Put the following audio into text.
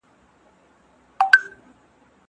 زه به سبا د کتابتون پاکوالی کوم!!